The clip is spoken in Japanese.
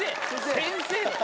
先生！